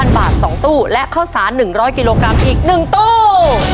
๐บาท๒ตู้และข้าวสาร๑๐๐กิโลกรัมอีก๑ตู้